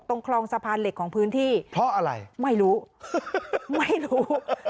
ตรงคลองสะพานเหล็กของพื้นที่เพราะอะไรไม่รู้ไม่รู้